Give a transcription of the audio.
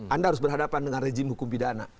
anda harus berhadapan dengan rejim hukum pidana